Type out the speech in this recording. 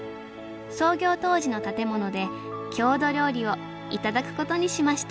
創業当時の建物で郷土料理を頂くことにしました